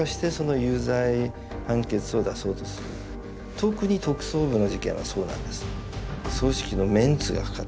とくに特捜部の事件はそうなんです。